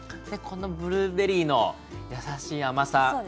このブルーベリーのやさしい甘さ。